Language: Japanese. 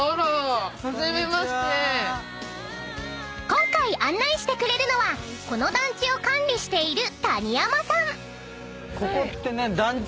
［今回案内してくれるのはこの団地を管理している］